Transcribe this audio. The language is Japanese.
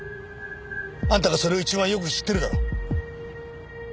あんたがそれを一番よく知ってるだろ。